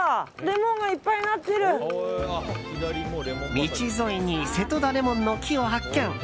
道沿いに瀬戸田レモンの木を発見。